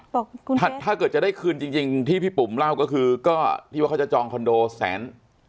ถ้าเกิดจะได้คืนจริงที่พี่ปุ๋มเล่าก็คือก็ที่ว่าเขาจะจองคอนโดแสน